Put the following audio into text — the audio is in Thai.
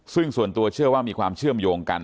ซึ่งส่วนตัวเชื่อว่ามีความเชื่อมโยงกัน